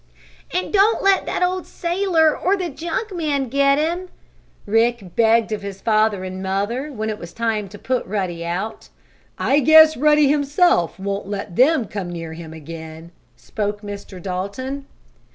"And don't let that old sailor or the junk man get him," Rick begged of his father and mother, when it came time to put Ruddy out. "I guess Ruddy himself won't let them come near him again," spoke Mr. Dalton.